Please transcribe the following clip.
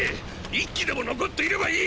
１機でも残っていればいい！！